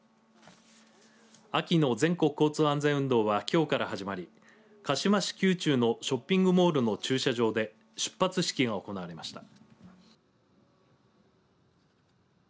秋の全国交通安全運動はきょうから始まり鹿嶋市宮中のショッピングモールの駐車場で出発式が行われました。